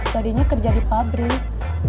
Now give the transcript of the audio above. jadinya kerja di pabrik